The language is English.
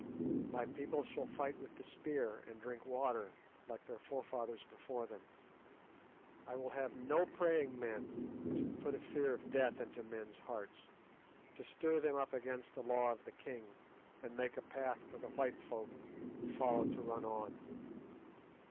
My people shall fight with the spear, and drink water, like their forefathers before them. I will have no praying men to put a fear of death into men's hearts, to stir them up against the law of the king, and make a path for the white folk who follow to run on.